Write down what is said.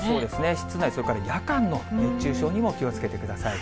室内、それから夜間の熱中症にも気をつけてください。